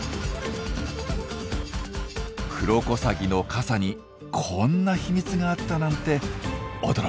クロコサギの傘にこんな秘密があったなんて驚きです。